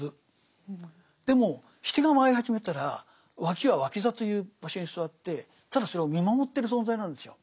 でもシテが舞い始めたらワキはワキ座という場所に座ってただそれを見守ってる存在なんですよ。